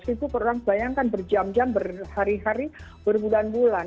itu orang bayangkan berjam jam berhari hari berbulan bulan